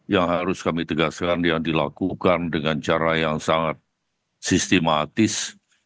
yang harus kami tegaskan yang dilakukan dengan cara yang sangat sistematis